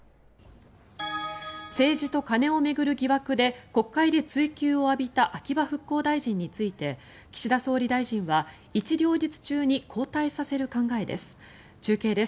政治と金を巡る疑惑で国会で追及を浴びた秋葉復興大臣について岸田総理大臣は一両日中に交代させる考えです。